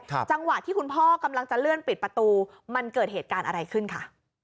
จังหวะที่คุณพ่อกำลังจะเลื่อนปิดประตูมันเกิดเหตุการณ์อะไรขึ้นค่ะ